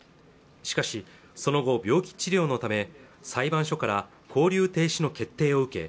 しかしその後病気治療のため裁判所から勾留停止の決定を受け